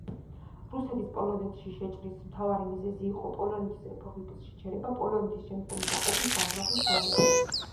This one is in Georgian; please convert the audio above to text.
რუსეთის პოლონეთში შეჭრის მთავარი მიზეზი იყო, პოლონეთის რეფორმების შეჩერება, პოლონეთის შემდგომი დაყოფის განზრახვის გარეშე.